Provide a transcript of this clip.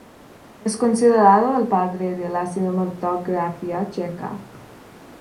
Es considerado el padre de la cinematografía checa.